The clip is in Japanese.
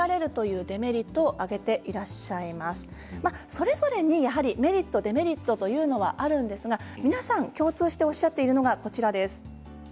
それぞれに、やはりメリットデメリットというのがあるんですが皆さん共通しておっしゃっているのは。